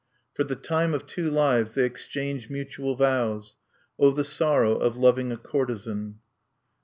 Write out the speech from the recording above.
"For the time of two lives they exchange mutual vows _O the sorrow of loving a courtesan!